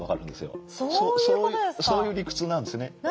そういう理屈なんですね。